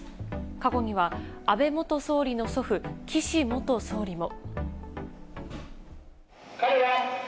過去には安倍元総理の祖父岸元総理も。